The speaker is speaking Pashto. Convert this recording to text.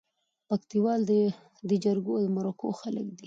پکتياوال دي جرګو او مرکو خلک دي